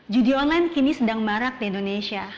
judi online kini sedang marak di indonesia